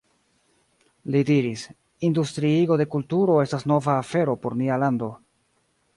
Li diris: Industriigo de kulturo estas nova afero por nia lando.